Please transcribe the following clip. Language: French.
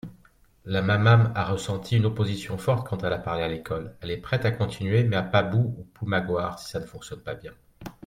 la mamam a ressenti une oposition forte quand elle a parlé à l'école, elle est prête à continuer mais à Pabu ou Ploumagoar si ça ne fonctionne pas bien.